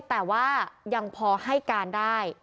แต่ว่ายังพอให้การได้